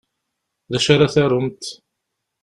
D acu ara tarumt?